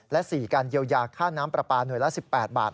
และ๔การเยียวยาค่าน้ำปลาปลาหน่วยละ๑๘บาท